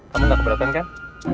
kamu gak keberatan kan